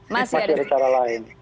masih ada cara lain